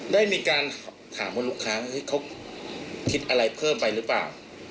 ได้มีการถามบนลูกค้าว่าเขาคิดอะไรเพิ่มไปหรือเปล่า